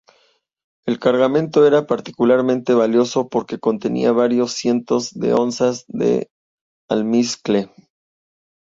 El cargamento era particularmente valioso porque contenía varios cientos de onzas de almizcle.